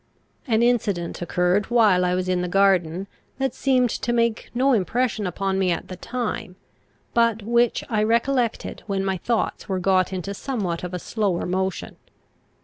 An incident occurred while I was in the garden, that seemed to make no impression upon me at the time, but which I recollected when my thoughts were got into somewhat of a slower motion.